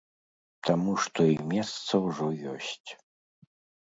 Таму што і месца ўжо ёсць.